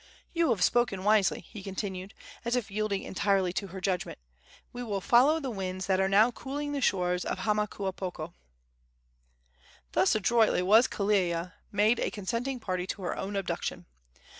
"You have spoken wisely," he continued, as if yielding entirely to her judgment; "we will follow the winds that are now cooling the shores of Hamakuapoko." Thus adroitly was Kelea made a consenting party to her own abduction.